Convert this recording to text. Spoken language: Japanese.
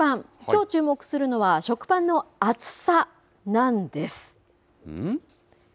きょう注目するのは食パンの厚さなんです。